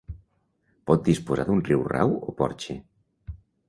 Pot disposar d'un riurau o porxe.